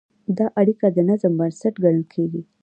دا اړیکه د نظم بنسټ ګڼل کېږي.